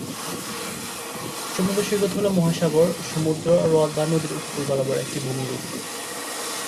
সমুদ্র সৈকত হল মহাসাগর, সমুদ্র, হ্রদ বা নদীর উপকূল বরাবর একটি ভূমিরূপ।